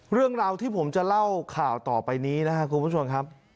เรื่องราวที่ผมจะเล่าข่าวต่อไปนี้นะครับคุณผู้ชมครับ